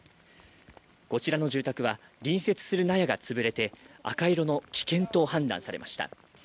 こちらの住宅は隣接する納屋が潰れて赤色の危険と判断されました。